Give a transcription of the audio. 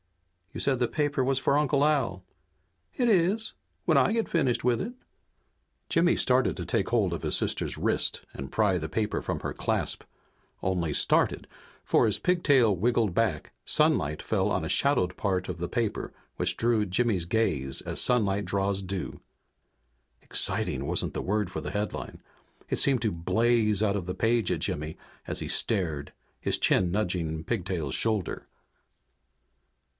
"You said the paper was for Uncle Al!" "It is when I get finished with it." Jimmy started to take hold of his sister's wrist and pry the paper from her clasp. Only started for as Pigtail wriggled back sunlight fell on a shadowed part of the paper which drew Jimmy's gaze as sunlight draws dew. Exciting wasn't the word for the headline. It seemed to blaze out of the page at Jimmy as he stared, his chin nudging Pigtail's shoulder.